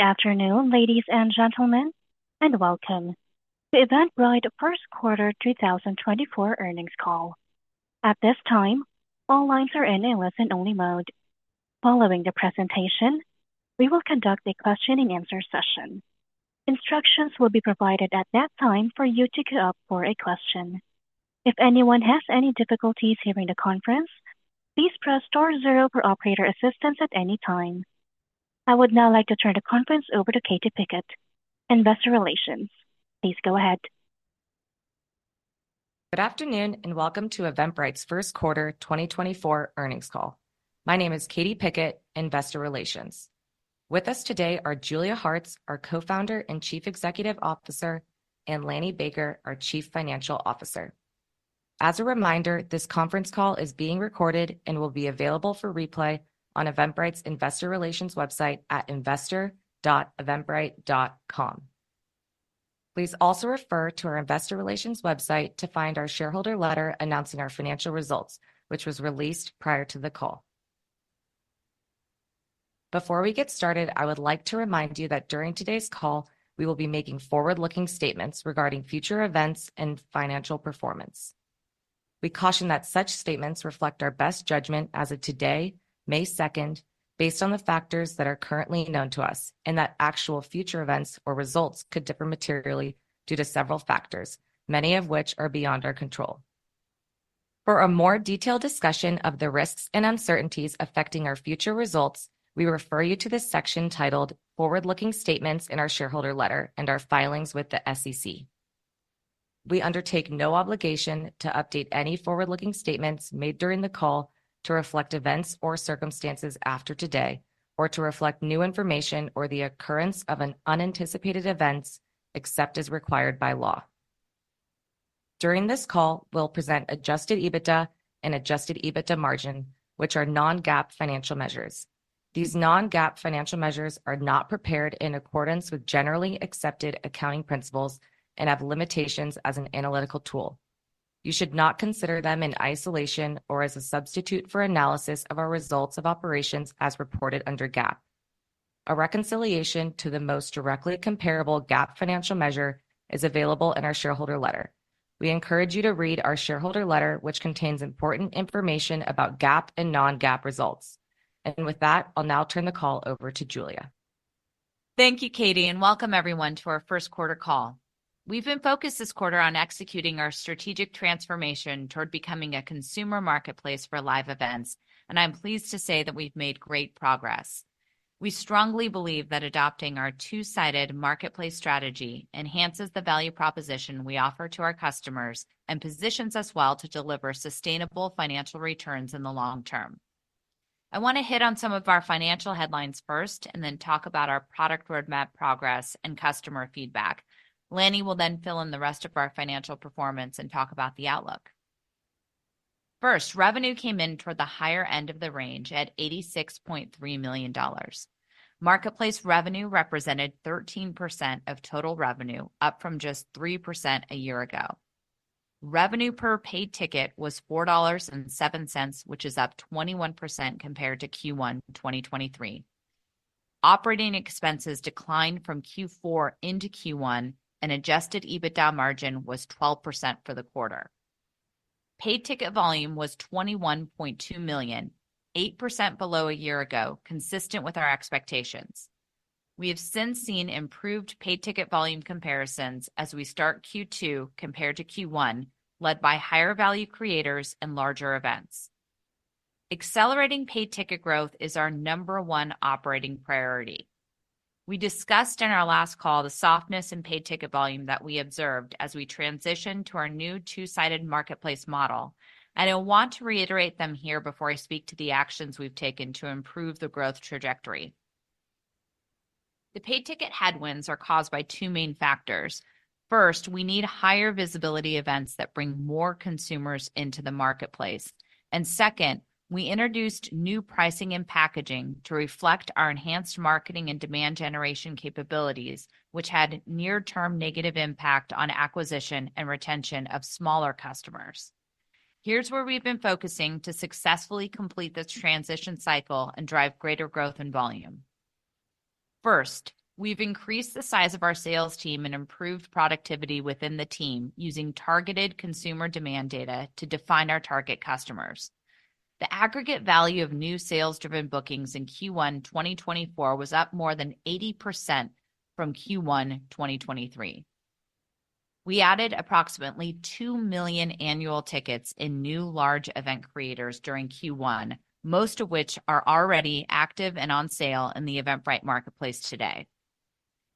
Good afternoon, ladies and gentlemen, and welcome to Eventbrite First Quarter 2024 earnings call. At this time, all lines are in a listen-only mode. Following the presentation, we will conduct a question and answer session. Instructions will be provided at that time for you to queue up for a question. If anyone has any difficulties hearing the conference, please press star zero for operator assistance at any time. I would now like to turn the conference over to Katie Pickett, Investor Relations. Please go ahead. Good afternoon, and welcome to Eventbrite's first quarter 2024 earnings call. My name is Katie Pickett, Investor Relations. With us today are Julia Hartz, our Co-Founder and Chief Executive Officer, and Lanny Baker, our Chief Financial Officer. As a reminder, this conference call is being recorded and will be available for replay on Eventbrite's Investor Relations website at investor.eventbrite.com. Please also refer to our Investor Relations website to find our shareholder letter announcing our financial results, which was released prior to the call. Before we get started, I would like to remind you that during today's call, we will be making forward-looking statements regarding future events and financial performance. We caution that such statements reflect our best judgment as of today, May second, based on the factors that are currently known to us, and that actual future events or results could differ materially due to several factors, many of which are beyond our control. For a more detailed discussion of the risks and uncertainties affecting our future results, we refer you to the section titled "Forward-Looking Statements" in our shareholder letter and our filings with the SEC. We undertake no obligation to update any forward-looking statements made during the call to reflect events or circumstances after today or to reflect new information or the occurrence of an unanticipated events, except as required by law. During this call, we'll present Adjusted EBITDA and Adjusted EBITDA margin, which are non-GAAP financial measures. These non-GAAP financial measures are not prepared in accordance with generally accepted accounting principles and have limitations as an analytical tool. You should not consider them in isolation or as a substitute for analysis of our results of operations as reported under GAAP. A reconciliation to the most directly comparable GAAP financial measure is available in our shareholder letter. We encourage you to read our shareholder letter, which contains important information about GAAP and non-GAAP results. With that, I'll now turn the call over to Julia. Thank you, Katie, and welcome everyone to our first quarter call. We've been focused this quarter on executing our strategic transformation toward becoming a consumer marketplace for live events, and I'm pleased to say that we've made great progress. We strongly believe that adopting our two-sided marketplace strategy enhances the value proposition we offer to our customers and positions us well to deliver sustainable financial returns in the long term. I want to hit on some of our financial headlines first, and then talk about our product roadmap progress and customer feedback. Lanny will then fill in the rest of our financial performance and talk about the outlook. First, revenue came in toward the higher end of the range at $86.3 million. Marketplace revenue represented 13% of total revenue, up from just 3% a year ago. Revenue per paid ticket was $4.07, which is up 21% compared to Q1 2023. Operating expenses declined from Q4 into Q1, and adjusted EBITDA margin was 12% for the quarter. Paid ticket volume was 21.2 million, 8% below a year ago, consistent with our expectations. We have since seen improved paid ticket volume comparisons as we start Q2 compared to Q1, led by higher value creators and larger events. Accelerating paid ticket growth is our number one operating priority. We discussed in our last call the softness in paid ticket volume that we observed as we transition to our new two-sided marketplace model, and I want to reiterate them here before I speak to the actions we've taken to improve the growth trajectory. The paid ticket headwinds are caused by two main factors. First, we need higher visibility events that bring more consumers into the marketplace. Second, we introduced new pricing and packaging to reflect our enhanced marketing and demand generation capabilities, which had near-term negative impact on acquisition and retention of smaller customers. Here's where we've been focusing to successfully complete this transition cycle and drive greater growth and volume. First, we've increased the size of our sales team and improved productivity within the team, using targeted consumer demand data to define our target customers. The aggregate value of new sales-driven bookings in Q1 2024 was up more than 80% from Q1 2023. We added approximately 2 million annual tickets in new large event creators during Q1, most of which are already active and on sale in the Eventbrite marketplace today.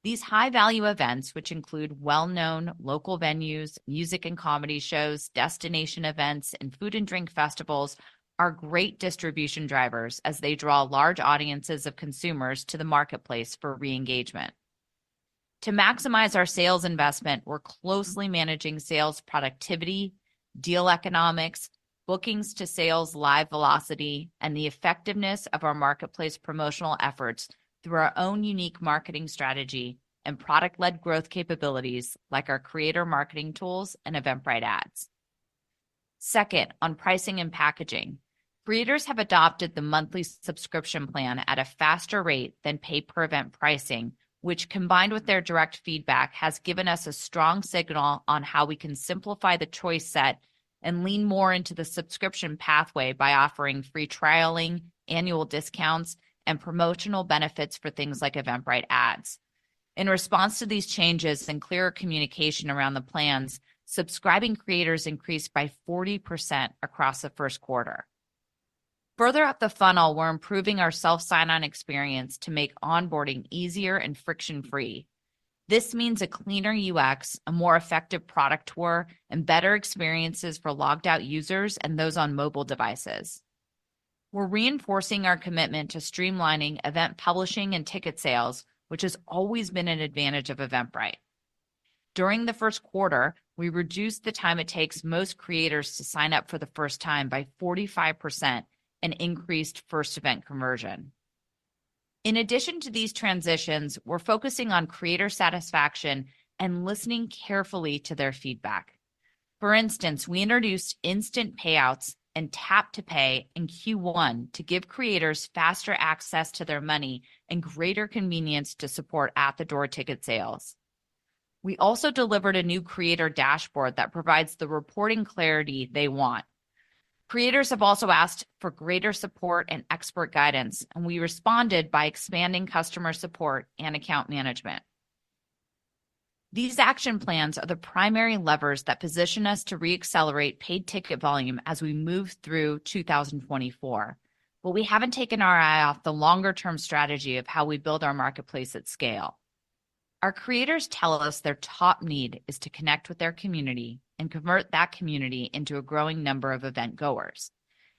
These high-value events, which include well-known local venues, music and comedy shows, destination events, and food and drink festivals, are great distribution drivers as they draw large audiences of consumers to the marketplace for re-engagement. To maximize our sales investment, we're closely managing sales productivity, deal economics, bookings to sales, live velocity, and the effectiveness of our marketplace promotional efforts through our own unique marketing strategy and product-led growth capabilities, like our creator marketing tools and Eventbrite Ads. Second, on pricing and packaging. Creators have adopted the monthly subscription plan at a faster rate than pay-per-event pricing, which, combined with their direct feedback, has given us a strong signal on how we can simplify the choice set and lean more into the subscription pathway by offering free trialing, annual discounts, and promotional benefits for things like Eventbrite Ads. In response to these changes and clearer communication around the plans, subscribing creators increased by 40% across the first quarter. Further up the funnel, we're improving our self sign-on experience to make onboarding easier and friction-free. This means a cleaner UX, a more effective product tour, and better experiences for logged out users and those on mobile devices. We're reinforcing our commitment to streamlining event publishing and ticket sales, which has always been an advantage of Eventbrite. During the first quarter, we reduced the time it takes most creators to sign up for the first time by 45% and increased first event conversion. In addition to these transitions, we're focusing on creator satisfaction and listening carefully to their feedback. For instance, we introduced instant payouts and tap-to-pay in Q1 to give creators faster access to their money and greater convenience to support at-the-door ticket sales. We also delivered a new creator dashboard that provides the reporting clarity they want. Creators have also asked for greater support and expert guidance, and we responded by expanding customer support and account management. These action plans are the primary levers that position us to re-accelerate paid ticket volume as we move through 2024. But we haven't taken our eye off the longer term strategy of how we build our marketplace at scale. Our creators tell us their top need is to connect with their community and convert that community into a growing number of event goers.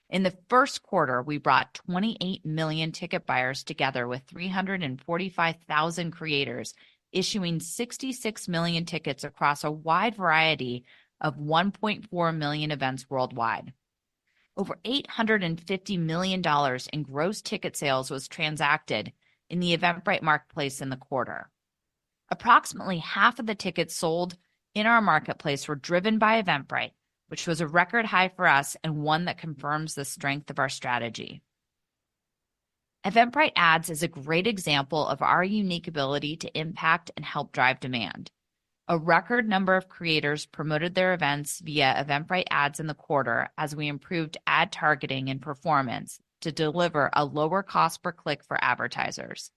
In the first quarter, we brought 28 million ticket buyers together with 345,000 creators, issuing 66 million tickets across a wide variety of 1.4 million events worldwide. Over $850 million in gross ticket sales was transacted in the Eventbrite marketplace in the quarter. Approximately half of the tickets sold in our marketplace were driven by Eventbrite, which was a record high for us and one that confirms the strength of our strategy. Eventbrite Ads is a great example of our unique ability to impact and help drive demand. A record number of creators promoted their events via Eventbrite Ads in the quarter as we improved ad targeting and performance to deliver a lower cost per click for advertisers.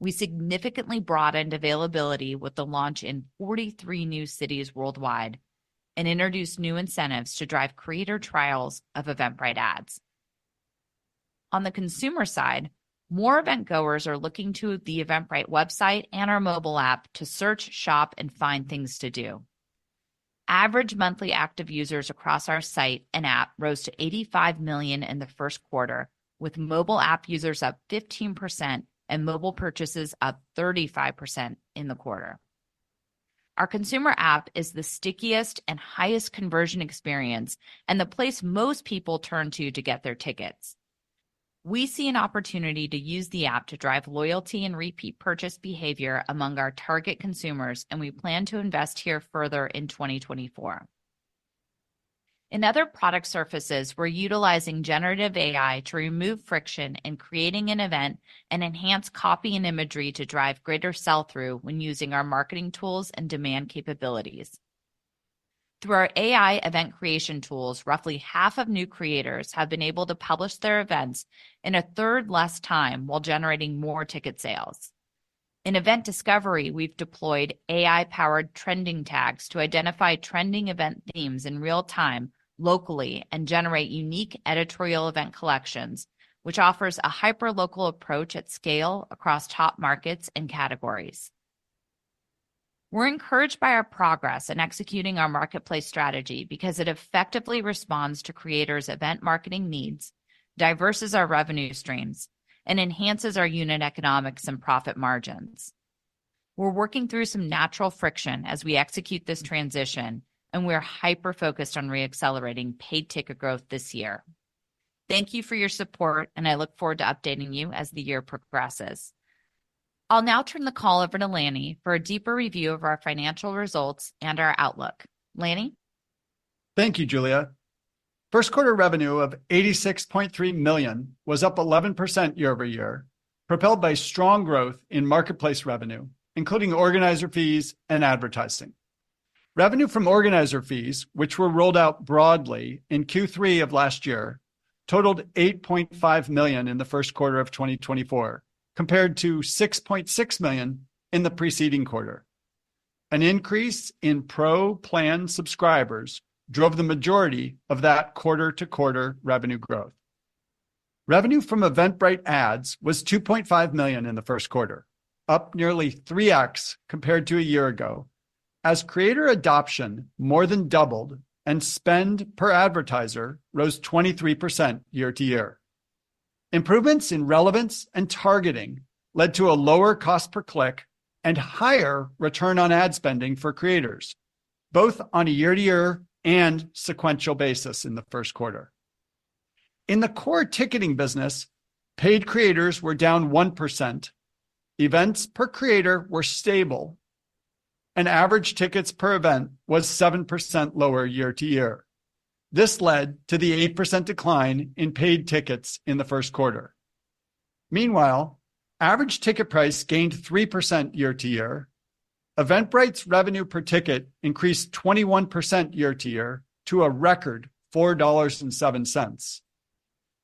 We significantly broadened availability with the launch in 43 new cities worldwide and introduced new incentives to drive creator trials of Eventbrite Ads. On the consumer side, more event goers are looking to the Eventbrite website and our mobile app to search, shop, and find things to do. Average monthly active users across our site and app rose to 85 million in the first quarter, with mobile app users up 15% and mobile purchases up 35% in the quarter. Our consumer app is the stickiest and highest conversion experience, and the place most people turn to to get their tickets. We see an opportunity to use the app to drive loyalty and repeat purchase behavior among our target consumers, and we plan to invest here further in 2024. In other product surfaces, we're utilizing generative AI to remove friction in creating an event and enhance copy and imagery to drive greater sell-through when using our marketing tools and demand capabilities. Through our AI event creation tools, roughly half of new creators have been able to publish their events in a third less time while generating more ticket sales. In event discovery, we've deployed AI-powered trending tags to identify trending event themes in real time, locally, and generate unique editorial event collections, which offers a hyperlocal approach at scale across top markets and categories. We're encouraged by our progress in executing our marketplace strategy because it effectively responds to creators' event marketing needs, diversifies our revenue streams, and enhances our unit economics and profit margins. We're working through some natural friction as we execute this transition, and we are hyper-focused on re-accelerating paid ticket growth this year. Thank you for your support, and I look forward to updating you as the year progresses. I'll now turn the call over to Lanny for a deeper review of our financial results and our outlook. Lanny? Thank you, Julia. First quarter revenue of $86.3 million was up 11% year-over-year, propelled by strong growth in marketplace revenue, including organizer fees and advertising. Revenue from organizer fees, which were rolled out broadly in Q3 of last year, totaled $8.5 million in the first quarter of 2024, compared to $6.6 million in the preceding quarter. An increase in Pro-plan subscribers drove the majority of that quarter-to-quarter revenue growth. Revenue from Eventbrite Ads was $2.5 million in the first quarter, up nearly 3x compared to a year ago, as creator adoption more than doubled and spend per advertiser rose 23% year-over-year. Improvements in relevance and targeting led to a lower cost per click and higher return on ad spending for creators, both on a year-over-year and sequential basis in the first quarter.... In the core ticketing business, paid creators were down 1%, events per creator were stable, and average tickets per event was 7% lower year-over-year. This led to the 8% decline in paid tickets in the first quarter. Meanwhile, average ticket price gained 3% year-over-year. Eventbrite's revenue per ticket increased 21% year-over-year to a record $4.07,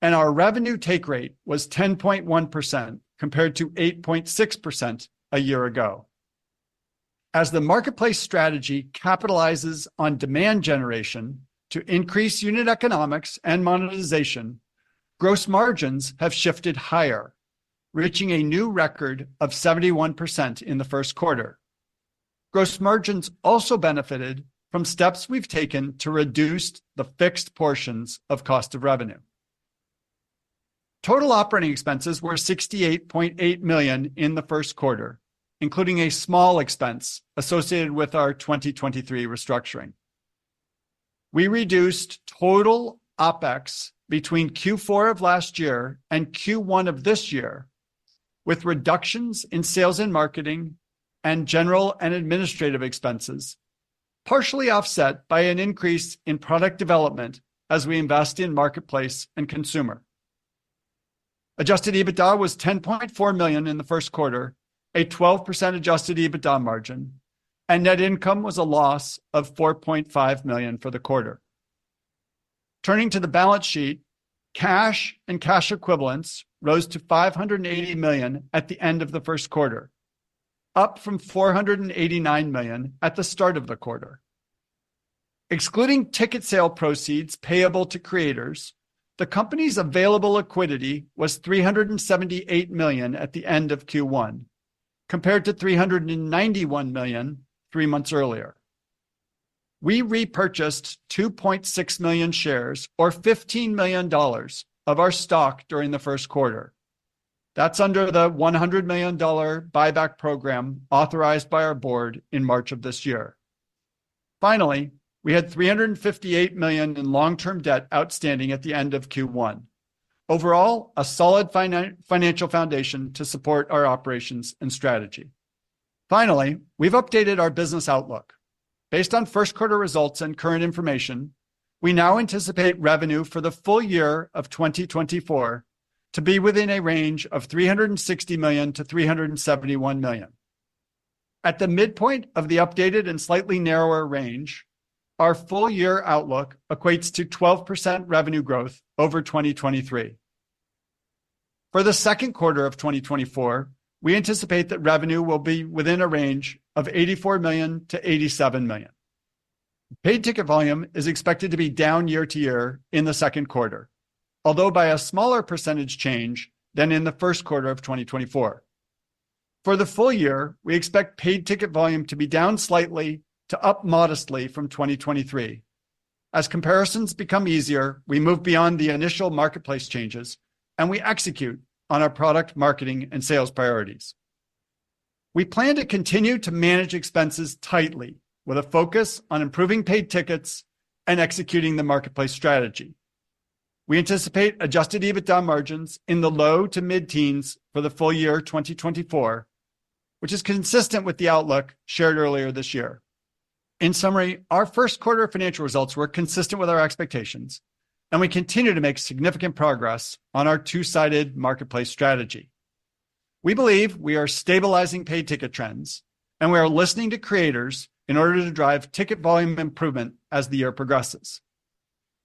and our revenue take rate was 10.1%, compared to 8.6% a year ago. As the marketplace strategy capitalizes on demand generation to increase unit economics and monetization, gross margins have shifted higher, reaching a new record of 71% in the first quarter. Gross margins also benefited from steps we've taken to reduce the fixed portions of cost of revenue. Total operating expenses were $68.8 million in the first quarter, including a small expense associated with our 2023 restructuring. We reduced total OpEx between Q4 of last year and Q1 of this year, with reductions in sales and marketing and general and administrative expenses, partially offset by an increase in product development as we invest in marketplace and consumer. Adjusted EBITDA was $10.4 million in the first quarter, a 12% adjusted EBITDA margin, and net income was a loss of $4.5 million for the quarter. Turning to the balance sheet, cash and cash equivalents rose to $580 million at the end of the first quarter, up from $489 million at the start of the quarter. Excluding ticket sale proceeds payable to creators, the company's available liquidity was $378 million at the end of Q1, compared to $391 million three months earlier. We repurchased 2.6 million shares, or $15 million of our stock, during the first quarter. That's under the $100 million buyback program authorized by our board in March of this year. Finally, we had $358 million in long-term debt outstanding at the end of Q1. Overall, a solid financial foundation to support our operations and strategy. Finally, we've updated our business outlook. Based on first quarter results and current information, we now anticipate revenue for the full year of 2024 to be within a range of $360 million-$371 million. At the midpoint of the updated and slightly narrower range, our full year outlook equates to 12% revenue growth over 2023. For the second quarter of 2024, we anticipate that revenue will be within a range of $84 million-$87 million. Paid ticket volume is expected to be down year-over-year in the second quarter, although by a smaller percentage change than in the first quarter of 2024. For the full year, we expect paid ticket volume to be down slightly to up modestly from 2023. As comparisons become easier, we move beyond the initial marketplace changes, and we execute on our product, marketing, and sales priorities. We plan to continue to manage expenses tightly, with a focus on improving paid tickets and executing the marketplace strategy. We anticipate adjusted EBITDA margins in the low to mid-teens for the full year 2024, which is consistent with the outlook shared earlier this year. In summary, our first quarter financial results were consistent with our expectations, and we continue to make significant progress on our two-sided marketplace strategy. We believe we are stabilizing paid ticket trends, and we are listening to creators in order to drive ticket volume improvement as the year progresses.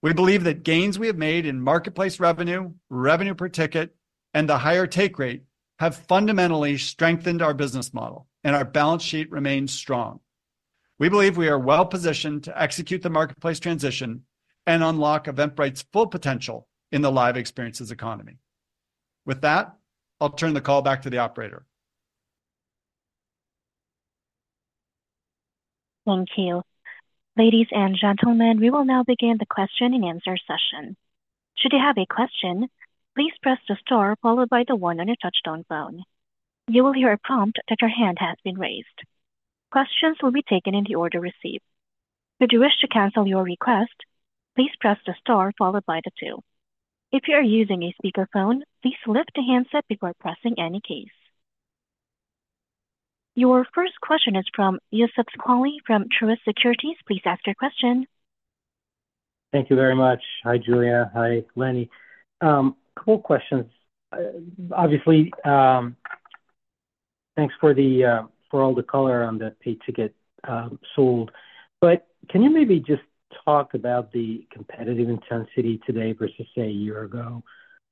We believe that gains we have made in marketplace revenue, revenue per ticket, and the higher take rate have fundamentally strengthened our business model, and our balance sheet remains strong. We believe we are well-positioned to execute the marketplace transition and unlock Eventbrite's full potential in the live experiences economy. With that, I'll turn the call back to the operator. Thank you. Ladies and gentlemen, we will now begin the question-and-answer session. Should you have a question, please press the star followed by the one on your touchtone phone. You will hear a prompt that your hand has been raised. Questions will be taken in the order received. If you wish to cancel your request, please press the star followed by the two. If you are using a speakerphone, please lift the handset before pressing any keys. Your first question is from Youssef Squali from Truist Securities. Please ask your question. Thank you very much. Hi, Julia. Hi, Lanny. Couple questions. Obviously, thanks for all the color on the paid tickets sold, but can you maybe just talk about the competitive intensity today versus, say, a year ago?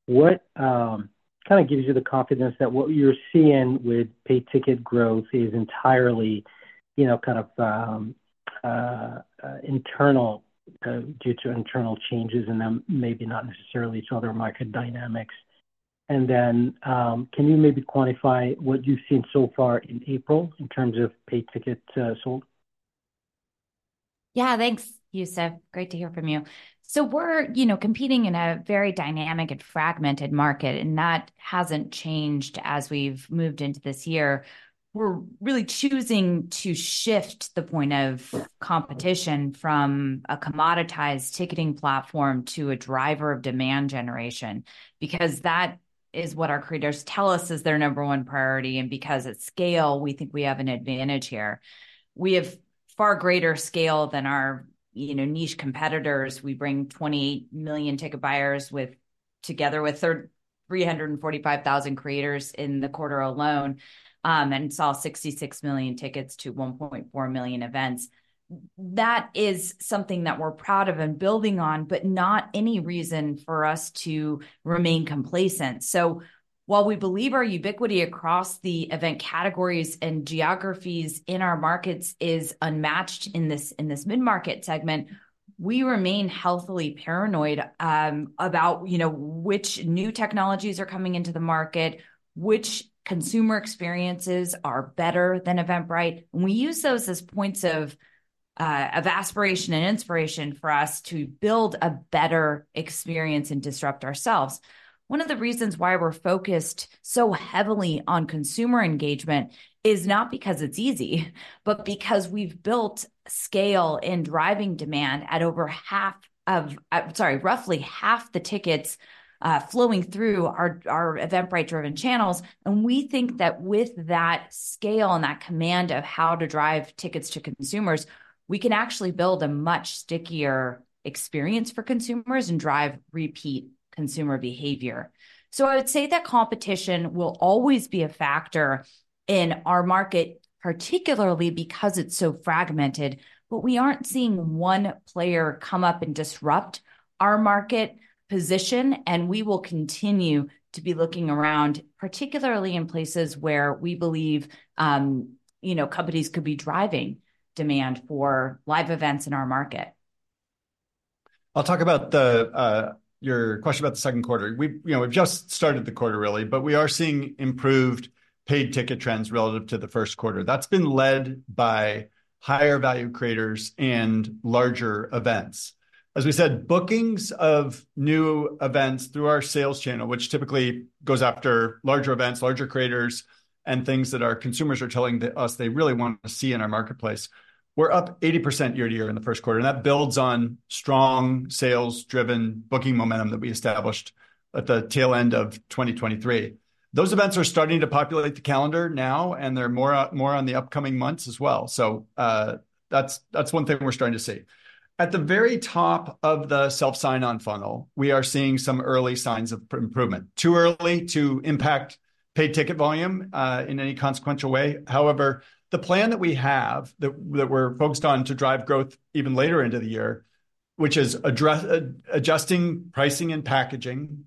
What kinda gives you the confidence that what you're seeing with paid ticket growth is entirely, you know, kind of, internal due to internal changes, and then maybe not necessarily to other market dynamics? And then, can you maybe quantify what you've seen so far in April in terms of paid tickets sold? Yeah. Thanks, Youssef. Great to hear from you. So we're, you know, competing in a very dynamic and fragmented market, and that hasn't changed as we've moved into this year. We're really choosing to shift the point of competition from a commoditized ticketing platform to a driver of demand generation because that is what our creators tell us is their number one priority, and because it's scale, we think we have an advantage here. We have far greater scale than our, you know, niche competitors. We bring 20 million ticket buyers together with 345,000 creators in the quarter alone, and sell 66 million tickets to 1.4 million events. That is something that we're proud of and building on, but not any reason for us to remain complacent. So while we believe our ubiquity across the event categories and geographies in our markets is unmatched in this, in this mid-market segment, we remain healthily paranoid, about, you know, which new technologies are coming into the market, which consumer experiences are better than Eventbrite. We use those as points of, of aspiration and inspiration for us to build a better experience and disrupt ourselves. One of the reasons why we're focused so heavily on consumer engagement is not because it's easy, but because we've built scale in driving demand at over half of... roughly half the tickets, flowing through our, our Eventbrite-driven channels, and we think that with that scale and that command of how to drive tickets to consumers, we can actually build a much stickier experience for consumers and drive repeat consumer behavior. I would say that competition will always be a factor in our market, particularly because it's so fragmented, but we aren't seeing one player come up and disrupt our market position, and we will continue to be looking around, particularly in places where we believe, you know, companies could be driving demand for live events in our market. I'll talk about the, your question about the second quarter. We've, you know, we've just started the quarter really, but we are seeing improved paid ticket trends relative to the first quarter. That's been led by higher value creators and larger events. As we said, bookings of new events through our sales channel, which typically goes after larger events, larger creators, and things that our consumers are telling us they really want to see in our marketplace, we're up 80% year-over-year in the first quarter, and that builds on strong sales-driven booking momentum that we established at the tail end of 2023. Those events are starting to populate the calendar now, and they're more on the upcoming months as well. So, that's one thing we're starting to see. At the very top of the self sign-on funnel, we are seeing some early signs of improvement. Too early to impact paid ticket volume in any consequential way. However, the plan that we have, that we're focused on to drive growth even later into the year, which is adjusting pricing and packaging,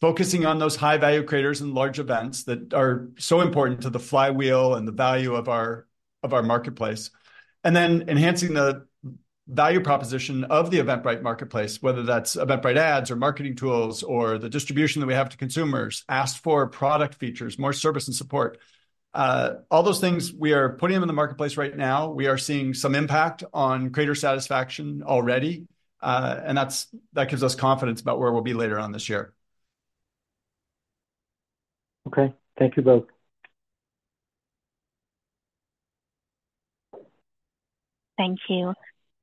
focusing on those high-value creators and large events that are so important to the flywheel and the value of our, of our marketplace, and then enhancing the value proposition of the Eventbrite marketplace, whether that's Eventbrite Ads or marketing tools or the distribution that we have to consumers, as for product features, more service and support. All those things we are putting them in the marketplace right now. We are seeing some impact on creator satisfaction already, and that gives us confidence about where we'll be later on this year. Okay. Thank you both. Thank you.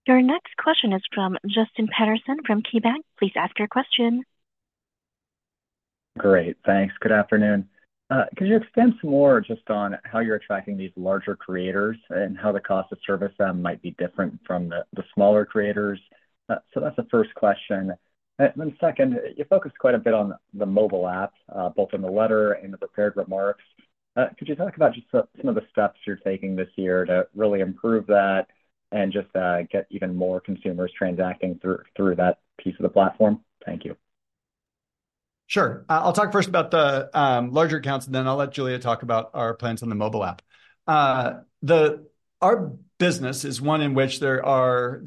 Your next question is from Justin Patterson from KeyBanc. Please ask your question. Great, thanks. Good afternoon. Could you expand some more just on how you're attracting these larger creators and how the cost to service them might be different from the smaller creators? So that's the first question. Then second, you focused quite a bit on the mobile app, both in the letter and the prepared remarks. Could you talk about just some of the steps you're taking this year to really improve that and just get even more consumers transacting through that piece of the platform? Thank you. Sure. I'll talk first about the larger accounts, and then I'll let Julia talk about our plans on the mobile app. Our business is one in which there's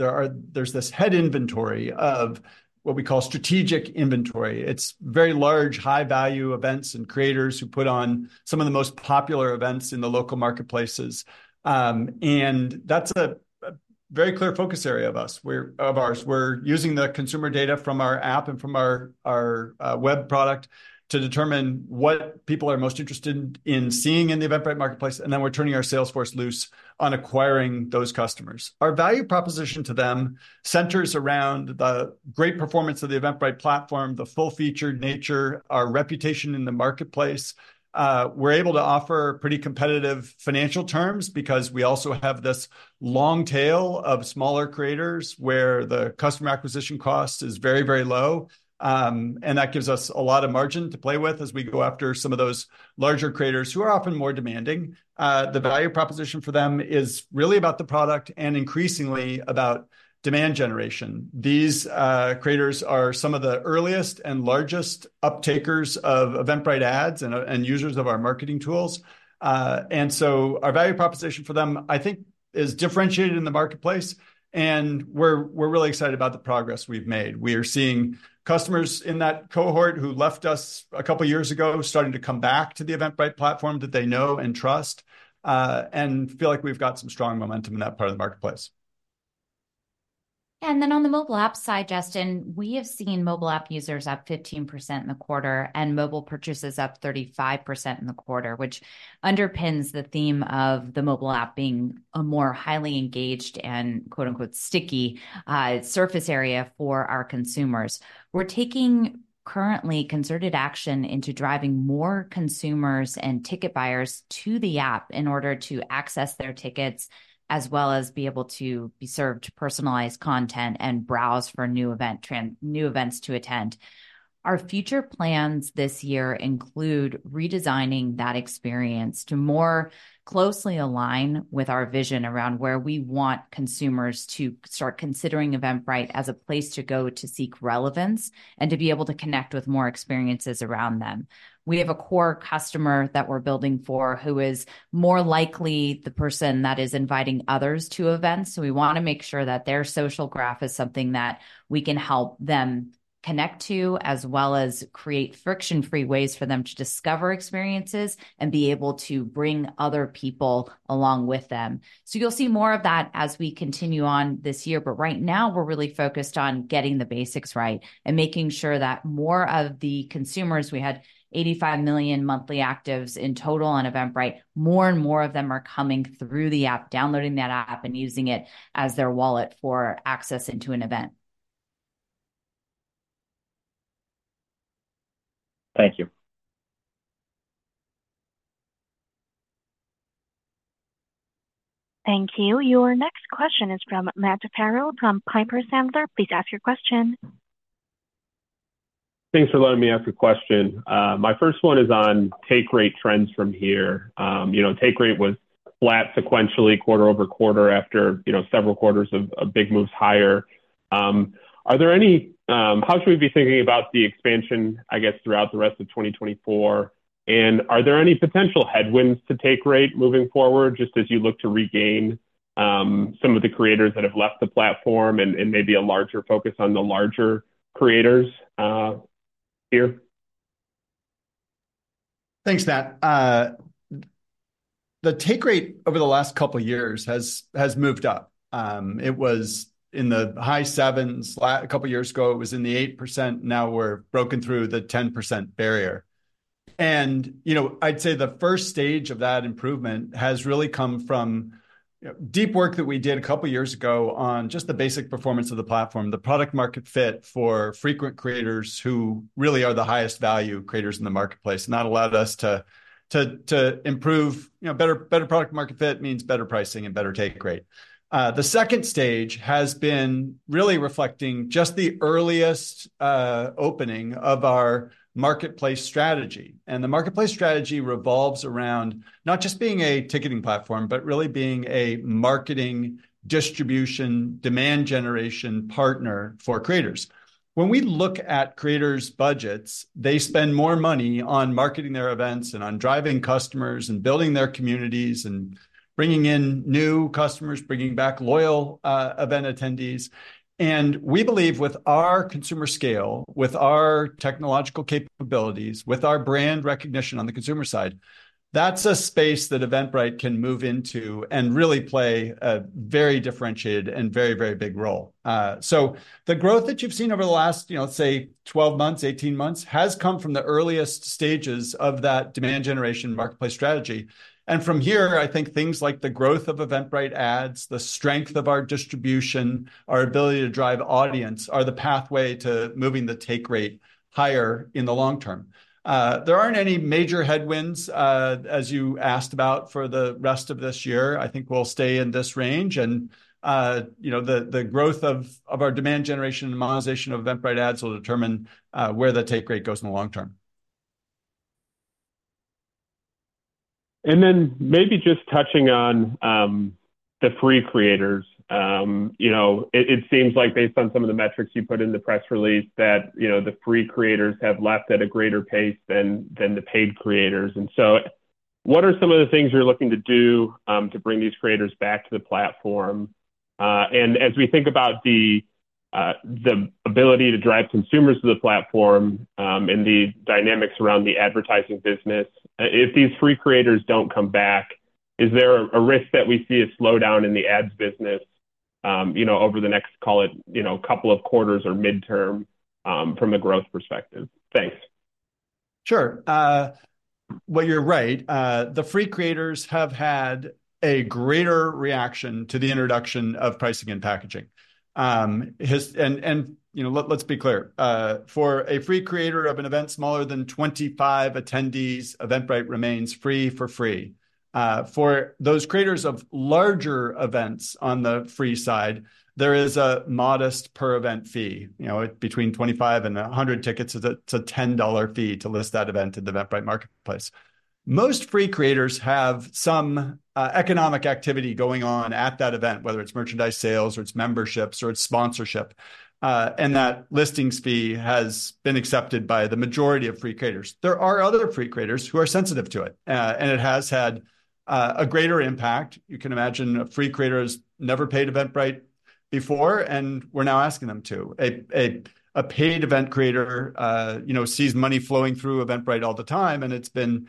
this head inventory of what we call strategic inventory. It's very large, high-value events and creators who put on some of the most popular events in the local marketplaces. And that's a very clear focus area of ours. We're using the consumer data from our app and from our web product to determine what people are most interested in seeing in the Eventbrite marketplace, and then we're turning our sales force loose on acquiring those customers. Our value proposition to them centers around the great performance of the Eventbrite platform, the full-featured nature, our reputation in the marketplace. We're able to offer pretty competitive financial terms because we also have this long tail of smaller creators, where the customer acquisition cost is very, very low, and that gives us a lot of margin to play with as we go after some of those larger creators who are often more demanding. The value proposition for them is really about the product and increasingly about demand generation. These creators are some of the earliest and largest uptakers of Eventbrite Ads and users of our marketing tools. And so our value proposition for them, I think, is differentiated in the marketplace, and we're really excited about the progress we've made. We are seeing customers in that cohort who left us a couple of years ago, starting to come back to the Eventbrite platform that they know and trust, and feel like we've got some strong momentum in that part of the marketplace. And then on the mobile app side, Justin, we have seen mobile app users up 15% in the quarter, and mobile purchases up 35% in the quarter, which underpins the theme of the mobile app being a more highly engaged and, quote, unquote, “sticky” surface area for our consumers. We're currently taking concerted action into driving more consumers and ticket buyers to the app in order to access their tickets, as well as be able to be served personalized content and browse for new events to attend. Our future plans this year include redesigning that experience to more closely align with our vision around where we want consumers to start considering Eventbrite as a place to go to seek relevance and to be able to connect with more experiences around them. We have a core customer that we're building for, who is more likely the person that is inviting others to events, so we wanna make sure that their social graph is something that we can help them connect to, as well as create friction-free ways for them to discover experiences and be able to bring other people along with them. So you'll see more of that as we continue on this year, but right now, we're really focused on getting the basics right and making sure that more of the consumers, we had 85 million monthly actives in total on Eventbrite. More and more of them are coming through the app, downloading that app, and using it as their wallet for access into an event. Thank you. Thank you. Your next question is from Matt Farrell, from Piper Sandler. Please ask your question. Thanks for letting me ask a question. My first one is on take rate trends from here. You know, take rate was flat sequentially, quarter-over-quarter after, you know, several quarters of big moves higher. Are there any... How should we be thinking about the expansion, I guess, throughout the rest of 2024? And are there any potential headwinds to take rate moving forward, just as you look to regain some of the creators that have left the platform and maybe a larger focus on the larger creators here? Thanks, Matt. The take rate over the last couple of years has moved up. It was in the high 7s a couple of years ago, it was in the 8%, now we're broken through the 10% barrier. And, you know, I'd say the first stage of that improvement has really come from deep work that we did a couple of years ago on just the basic performance of the platform. The product market fit for frequent creators who really are the highest value creators in the marketplace, and that allowed us to improve, you know, better product market fit means better pricing and better take rate. The second stage has been really reflecting just the earliest opening of our marketplace strategy, and the marketplace strategy revolves around not just being a ticketing platform, but really being a marketing, distribution, demand generation partner for creators. When we look at creators' budgets, they spend more money on marketing their events, and on driving customers, and building their communities, and bringing in new customers, bringing back loyal event attendees. And we believe with our consumer scale, with our technological capabilities, with our brand recognition on the consumer side, that's a space that Eventbrite can move into and really play a very differentiated and very, very big role. So the growth that you've seen over the last, you know, say, 12 months, 18 months, has come from the earliest stages of that demand generation marketplace strategy. From here, I think things like the growth of Eventbrite Ads, the strength of our distribution, our ability to drive audience, are the pathway to moving the Take Rate higher in the long term. There aren't any major headwinds, as you asked about for the rest of this year. I think we'll stay in this range and, you know, the growth of our demand generation and monetization of Eventbrite Ads will determine where the Take Rate goes in the long term. And then maybe just touching on the free creators. You know, it seems like based on some of the metrics you put in the press release, that, you know, the free creators have left at a greater pace than the paid creators. And so what are some of the things you're looking to do to bring these creators back to the platform? And as we think about the ability to drive consumers to the platform and the dynamics around the advertising business, if these free creators don't come back, is there a risk that we see a slowdown in the ads business, you know, over the next, call it, you know, couple of quarters or midterm from a growth perspective? Thanks. Sure. Well, you're right. The free creators have had a greater reaction to the introduction of pricing and packaging. And, you know, let's be clear, for a free creator of an event smaller than 25 attendees, Eventbrite remains free for free. For those creators of larger events on the free side, there is a modest per event fee. You know, between 25 and 100 tickets, it's a $10 fee to list that event in the Eventbrite marketplace. Most free creators have some economic activity going on at that event, whether it's merchandise sales, or it's memberships, or it's sponsorship, and that listings fee has been accepted by the majority of free creators. There are other free creators who are sensitive to it, and it has had a greater impact. You can imagine a free creator's never paid Eventbrite before, and we're now asking them to. A paid event creator, you know, sees money flowing through Eventbrite all the time, and it's been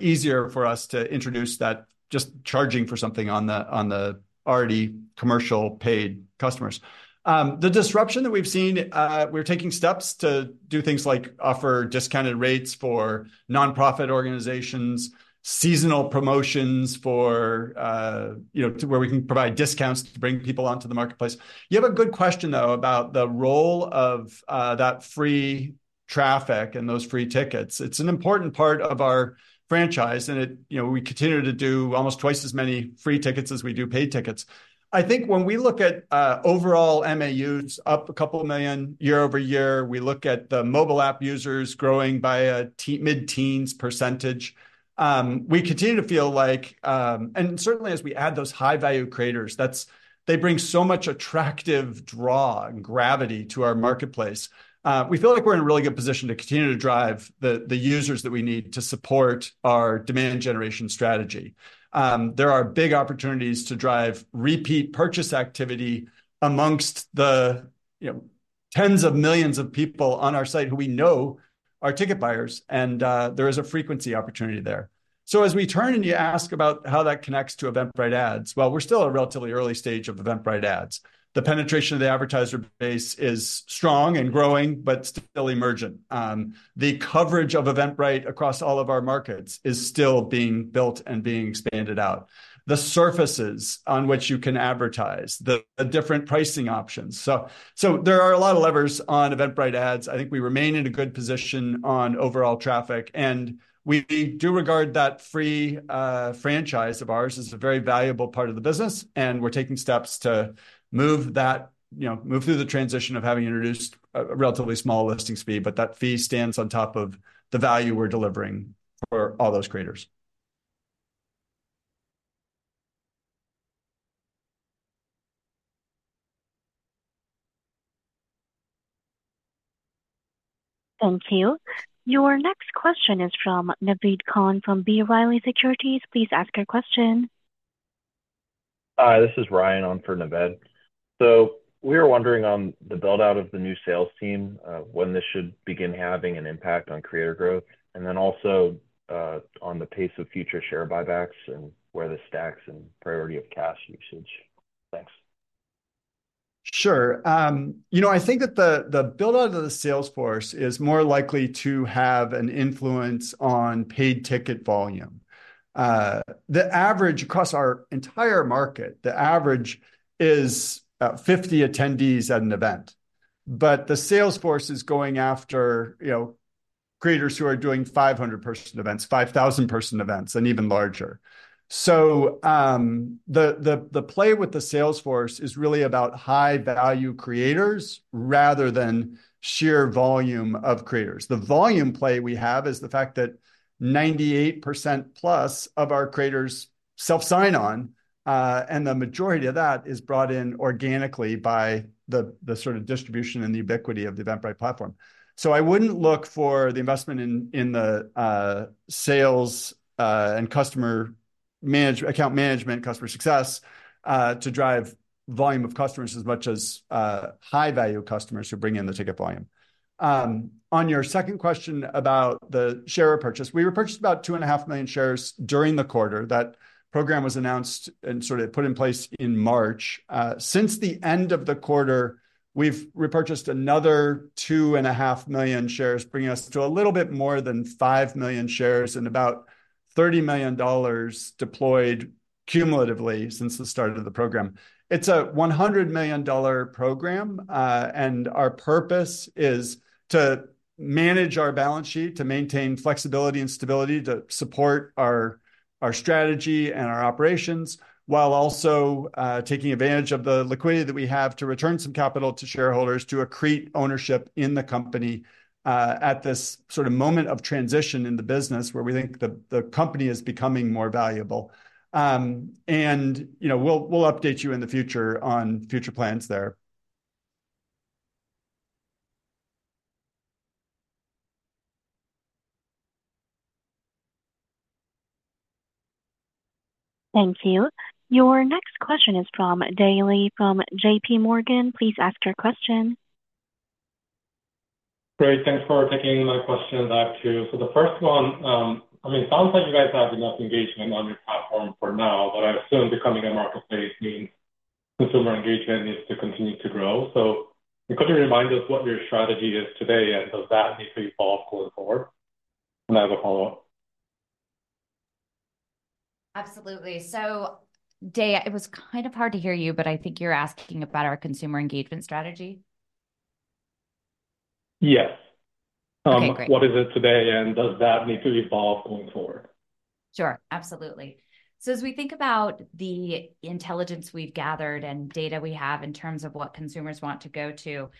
easier for us to introduce that just charging for something on the, on the already commercial paid customers. The disruption that we've seen, we're taking steps to do things like offer discounted rates for nonprofit organizations, seasonal promotions for, you know, to where we can provide discounts to bring people onto the marketplace. You have a good question, though, about the role of that free traffic and those free tickets. It's an important part of our franchise, and it, you know, we continue to do almost twice as many free tickets as we do paid tickets. I think when we look at overall MAUs, up a couple million year-over-year, we look at the mobile app users growing by a mid-teens %. We continue to feel like—and certainly as we add those high-value creators, that's, they bring so much attractive draw and gravity to our marketplace. We feel like we're in a really good position to continue to drive the users that we need to support our demand generation strategy. There are big opportunities to drive repeat purchase activity amongst the, you know, tens of millions of people on our site who we know are ticket buyers, and there is a frequency opportunity there. So as we turn, and you ask about how that connects to Eventbrite Ads, well, we're still at a relatively early stage of Eventbrite Ads. The penetration of the advertiser base is strong and growing, but still emergent. The coverage of Eventbrite across all of our markets is still being built and being expanded out. The surfaces on which you can advertise, different pricing options. So, there are a lot of levers on Eventbrite Ads. I think we remain in a good position on overall traffic, and we do regard that free franchise of ours as a very valuable part of the business, and we're taking steps to move that... you know, move through the transition of having introduced a relatively small listing fee, but that fee stands on top of the value we're delivering for all those creators. Thank you. Your next question is from Naved Khan from B. Riley Securities. Please ask your question. Hi, this is Ryan on for Naved. So we were wondering on the build-out of the new sales team, when this should begin having an impact on creator growth, and then also, on the pace of future share buybacks and where this stacks in priority of cash usage. Thanks. Sure. You know, I think that the build-out of the sales force is more likely to have an influence on paid ticket volume. The average across our entire market, the average is about 50 attendees at an event, but the sales force is going after, you know, creators who are doing 500-person events, 5,000-person events, and even larger. So, the play with the sales force is really about high-value creators rather than sheer volume of creators. The volume play we have is the fact that 98%+ of our creators self-sign on, and the majority of that is brought in organically by the sort of distribution and the ubiquity of the Eventbrite platform. So I wouldn't look for the investment in the sales and customer account management, customer success to drive volume of customers as much as high-value customers who bring in the ticket volume. On your second question about the share repurchase, we repurchased about 2.5 million shares during the quarter. That program was announced and sort of put in place in March. Since the end of the quarter, we've repurchased another 2.5 million shares, bringing us to a little bit more than 5 million shares and about $30 million deployed cumulatively since the start of the program. It's a $100 million program, and our purpose is to manage our balance sheet, to maintain flexibility and stability, to support our, our strategy and our operations, while also, taking advantage of the liquidity that we have to return some capital to shareholders, to accrete ownership in the company, at this sort of moment of transition in the business, where we think the, the company is becoming more valuable. And, you know, we'll, we'll update you in the future on future plans there. Thank you. Your next question is from Dae Lee from JP Morgan. Please ask your question. Great, thanks for taking my question. Back to... so the first one, I mean, it sounds like you guys have enough engagement on your platform for now, but I assume becoming a marketplace means consumer engagement needs to continue to grow. So could you remind us what your strategy is today, and does that need to evolve going forward? And I have a follow-up. Absolutely. So Dae, it was kind of hard to hear you, but I think you're asking about our consumer engagement strategy? Yes. Okay, great. What is it today, and does that need to evolve going forward? Sure, absolutely. So as we think about the intelligence we've gathered and data we have in terms of what consumers want to go to,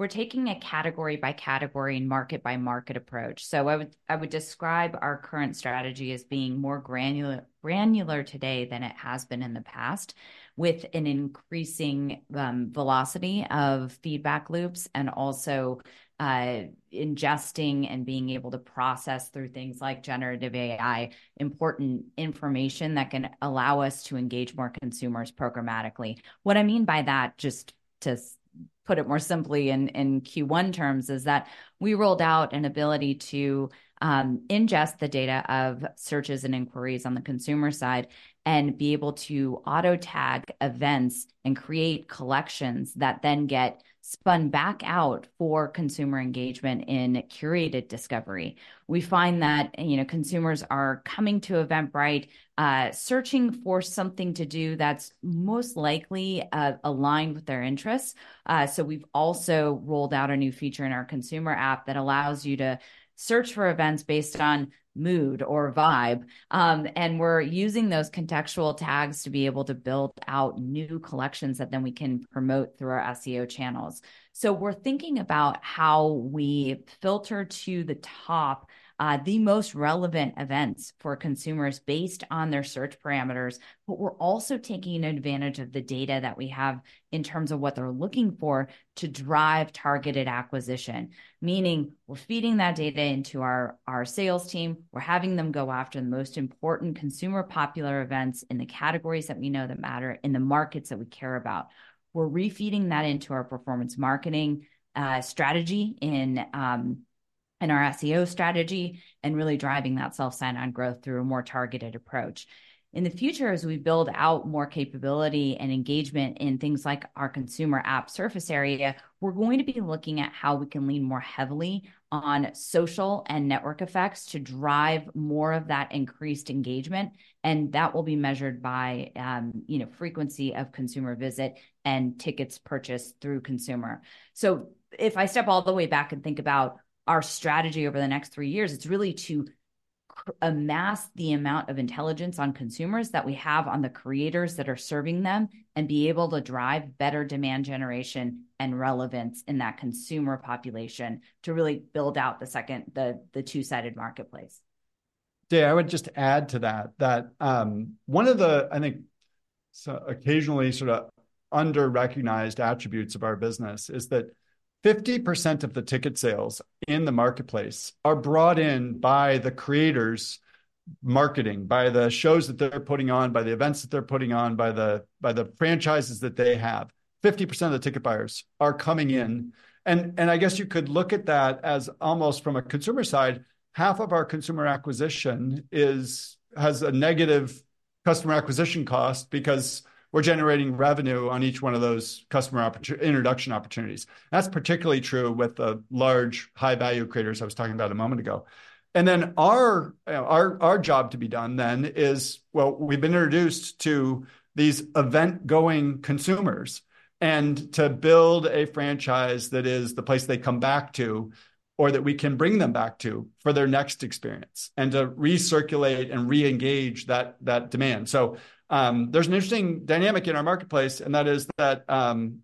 we're taking a category-by-category and market-by-market approach. So I would describe our current strategy as being more granular today than it has been in the past, with an increasing velocity of feedback loops and also ingesting and being able to process through things like generative AI, important information that can allow us to engage more consumers programmatically. What I mean by that, just put it more simply in Q1 terms, is that we rolled out an ability to ingest the data of searches and inquiries on the consumer side and be able to auto-tag events and create collections that then get spun back out for consumer engagement in curated discovery. We find that, you know, consumers are coming to Eventbrite, searching for something to do that's most likely, aligned with their interests. So we've also rolled out a new feature in our consumer app that allows you to search for events based on mood or vibe. And we're using those contextual tags to be able to build out new collections that then we can promote through our SEO channels. So we're thinking about how we filter to the top, the most relevant events for consumers based on their search parameters, but we're also taking advantage of the data that we have in terms of what they're looking for to drive targeted acquisition. Meaning, we're feeding that data into our sales team. We're having them go after the most important consumer popular events in the categories that we know that matter, in the markets that we care about. We're refeeding that into our performance marketing strategy in our SEO strategy, and really driving that self sign-on growth through a more targeted approach. In the future, as we build out more capability and engagement in things like our consumer app surface area, we're going to be looking at how we can lean more heavily on social and network effects to drive more of that increased engagement, and that will be measured by, you know, frequency of consumer visit and tickets purchased through consumer. So if I step all the way back and think about our strategy over the next three years, it's really to amass the amount of intelligence on consumers that we have on the creators that are serving them, and be able to drive better demand generation and relevance in that consumer population to really build out the second... the two-sided marketplace. Yeah, I would just add to that that one of the, I think, so occasionally sort of under-recognized attributes of our business is that 50% of the ticket sales in the marketplace are brought in by the creators' marketing, by the shows that they're putting on, by the events that they're putting on, by the franchises that they have. 50% of the ticket buyers are coming in, and I guess you could look at that as almost from a consumer side, half of our consumer acquisition has a negative customer acquisition cost because we're generating revenue on each one of those customer opportunity introduction opportunities. That's particularly true with the large, high-value creators I was talking about a moment ago. Then our job to be done then is, well, we've been introduced to these event-going consumers, and to build a franchise that is the place they come back to, or that we can bring them back to for their next experience, and to recirculate and re-engage that demand. So, there's an interesting dynamic in our marketplace, and that is that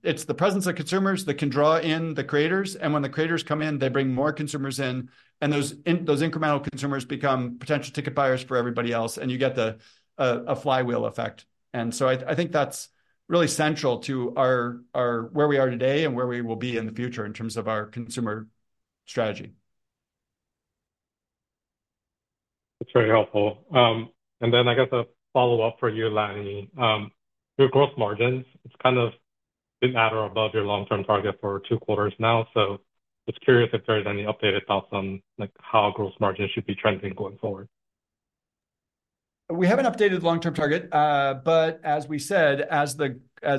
it's the presence of consumers that can draw in the creators, and when the creators come in, they bring more consumers in, and those incremental consumers become potential ticket buyers for everybody else, and you get a flywheel effect. And so I think that's really central to our where we are today and where we will be in the future in terms of our consumer strategy. That's very helpful. And then I guess a follow-up for you, Lanny. Your gross margins, it's kind of been at or above your long-term target for two quarters now, so just curious if there is any updated thoughts on, like, how gross margins should be trending going forward? We have an updated long-term target, but as we said, as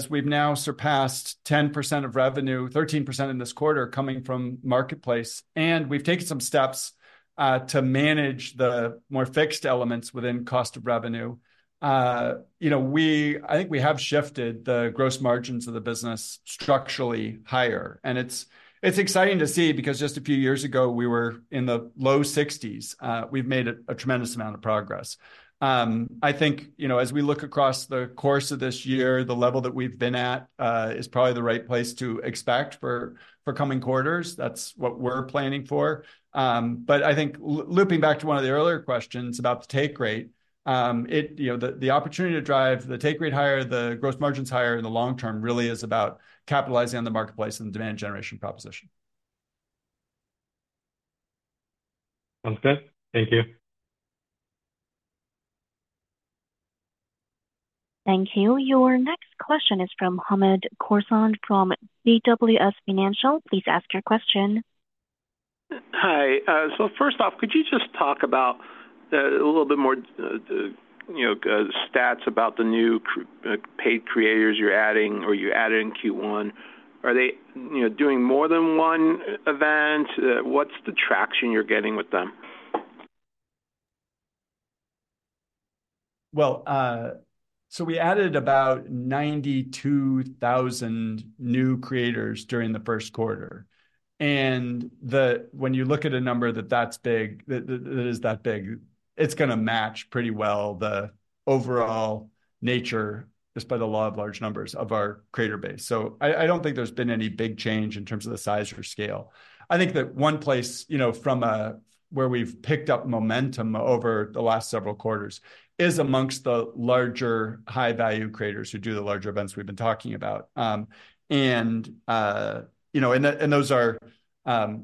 we've now surpassed 10% of revenue, 13% in this quarter, coming from marketplace, and we've taken some steps to manage the more fixed elements within cost of revenue, you know, I think we have shifted the gross margins of the business structurally higher. And it's exciting to see, because just a few years ago, we were in the low 60s. We've made a tremendous amount of progress. I think, you know, as we look across the course of this year, the level that we've been at is probably the right place to expect for coming quarters. That's what we're planning for. But I think looping back to one of the earlier questions about the take rate, it... You know, the opportunity to drive the take rate higher, the gross margins higher in the long term really is about capitalizing on the marketplace and demand generation proposition. Sounds good. Thank you. Thank you. Your next question is from Hamed Khorsand, from BWS Financial. Please ask your question. Hi. So first off, could you just talk about a little bit more, you know, stats about the new paid creators you're adding or you added in Q1? Are they, you know, doing more than one event? What's the traction you're getting with them? Well, so we added about 92,000 new creators during the first quarter, and when you look at a number that that's big, that is that big, it's gonna match pretty well the overall nature, just by the law of large numbers, of our creator base. So I don't think there's been any big change in terms of the size or scale. I think that one place, you know, from where we've picked up momentum over the last several quarters is amongst the larger, high-value creators who do the larger events we've been talking about. And, you know, and those are,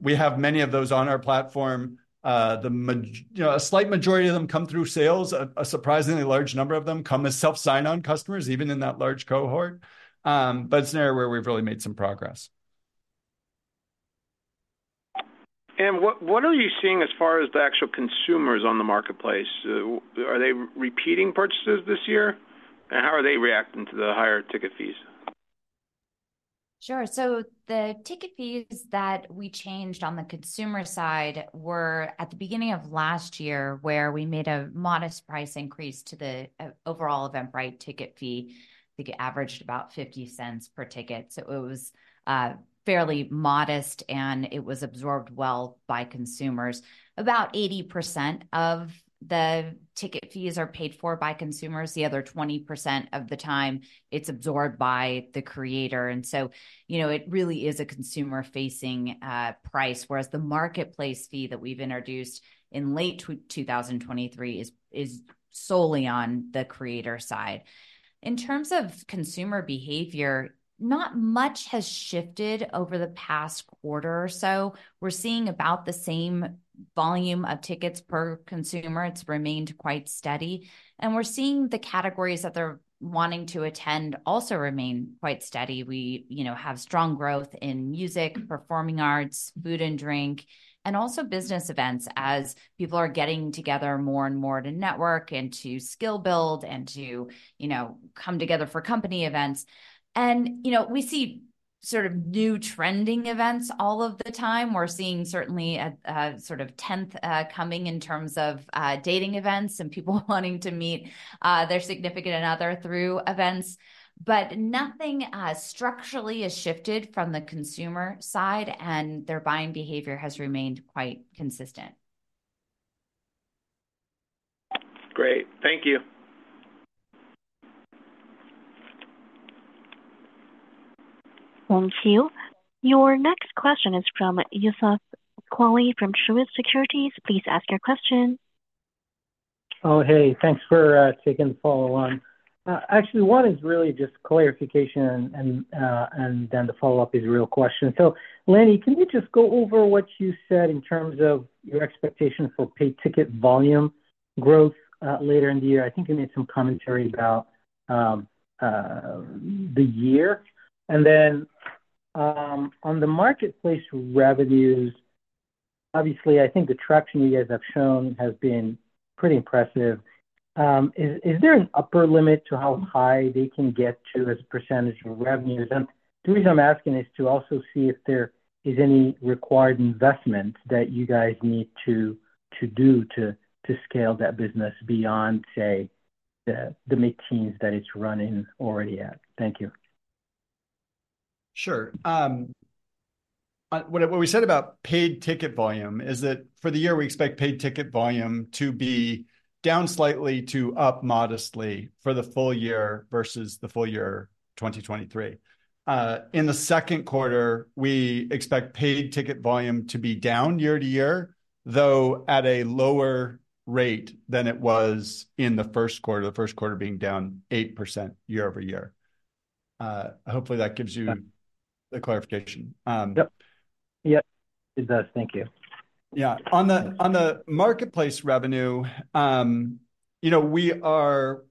we have many of those on our platform. You know, a slight majority of them come through sales. A surprisingly large number of them come as self sign-on customers, even in that large cohort. But it's an area where we've really made some progress.... What, what are you seeing as far as the actual consumers on the marketplace? Are they repeating purchases this year, and how are they reacting to the higher ticket fees? Sure. So the ticket fees that we changed on the consumer side were at the beginning of last year, where we made a modest price increase to the overall Eventbrite ticket fee. I think it averaged about $0.50 per ticket, so it was fairly modest, and it was absorbed well by consumers. About 80% of the ticket fees are paid for by consumers. The other 20% of the time, it's absorbed by the creator. And so, you know, it really is a consumer-facing price, whereas the marketplace fee that we've introduced in late 2023 is solely on the creator side. In terms of consumer behavior, not much has shifted over the past quarter or so. We're seeing about the same volume of tickets per consumer. It's remained quite steady, and we're seeing the categories that they're wanting to attend also remain quite steady. We, you know, have strong growth in music, performing arts, food and drink, and also business events, as people are getting together more and more to network and to skill build and to, you know, come together for company events. And, you know, we see sort of new trending events all of the time. We're seeing certainly a sort of trend coming in terms of dating events and people wanting to meet their significant other through events. But nothing structurally has shifted from the consumer side, and their buying behavior has remained quite consistent. Great. Thank you. Thank you. Your next question is from Youssef Squali from Truist Securities. Please ask your question. Oh, hey, thanks for taking the follow on. Actually, one is really just clarification and then the follow-up is a real question. So, Lanny, can you just go over what you said in terms of your expectations for Paid Ticket Volume growth later in the year? I think you made some commentary about the year. And then, on the marketplace revenues, obviously, I think the traction you guys have shown has been pretty impressive. Is there an upper limit to how high they can get to as a percentage of revenues? And the reason I'm asking is to also see if there is any required investment that you guys need to do to scale that business beyond, say, the mid-teens that it's running already at. Thank you. Sure. What we said about paid ticket volume is that for the year, we expect paid ticket volume to be down slightly to up modestly for the full year versus the full year 2023. In the second quarter, we expect paid ticket volume to be down year-over-year, though at a lower rate than it was in the first quarter, the first quarter being down 8% year-over-year. Hopefully that gives you the clarification. Yep. Yep, it does. Thank you. Yeah. On the marketplace revenue, you know, we are...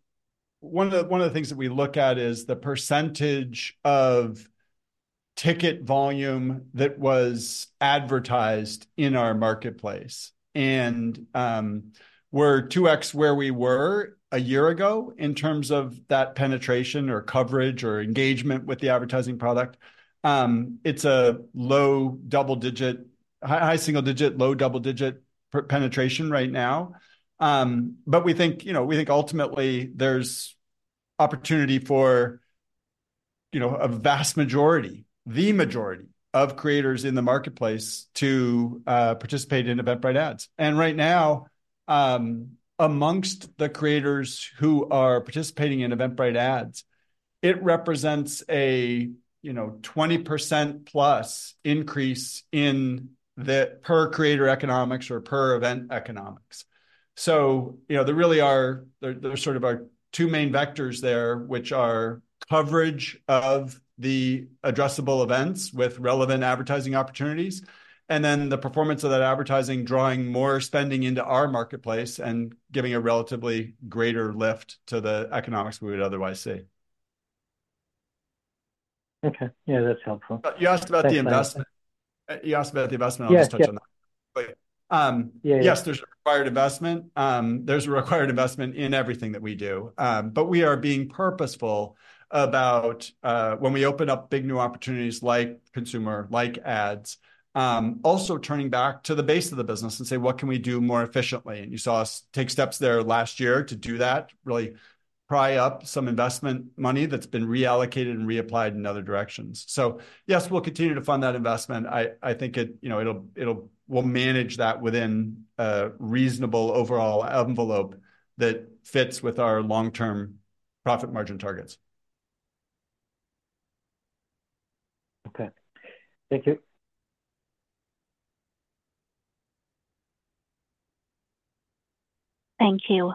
One of the things that we look at is the percentage of ticket volume that was advertised in our marketplace. And we're 2x where we were a year ago in terms of that penetration or coverage or engagement with the advertising product. It's a low double digit-- high single digit, low double-digit penetration right now. But we think, you know, we think ultimately there's opportunity for, you know, a vast majority, the majority of creators in the marketplace to participate in Eventbrite Ads. And right now, amongst the creators who are participating in Eventbrite Ads, it represents a, you know, 20%+ increase in the per creator economics or per event economics. So, you know, there really are sort of two main vectors there, which are coverage of the addressable events with relevant advertising opportunities, and then the performance of that advertising, drawing more spending into our marketplace and giving a relatively greater lift to the economics we would otherwise see. Okay. Yeah, that's helpful. You asked about the investment. You asked about the investment- Yeah, yeah. I'll just touch on that quickly. Yeah. Yes, there's a required investment. There's a required investment in everything that we do. But we are being purposeful about when we open up big new opportunities like consumer, like ads, also turning back to the base of the business and say: What can we do more efficiently? And you saw us take steps there last year to do that, really pry up some investment money that's been reallocated and reapplied in other directions. So yes, we'll continue to fund that investment. I think it, you know, it'll—it'll—we'll manage that within a reasonable overall envelope that fits with our long-term profit margin targets. Okay. Thank you. Thank you.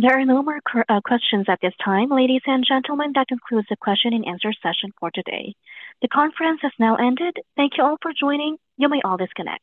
There are no more questions at this time. Ladies and gentlemen, that concludes the question and answer session for today. The conference has now ended. Thank you all for joining. You may all disconnect.